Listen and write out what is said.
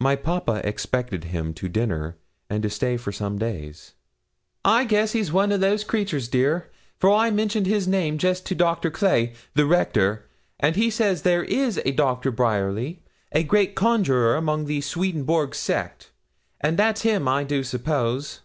My papa expected him to dinner, and to stay for some days. 'I guess he's one of those creatures, dear, for I mentioned his name just to Dr. Clay (the rector), and he says there is a Doctor Bryerly, a great conjurer among the Swedenborg sect and that's him, I do suppose.'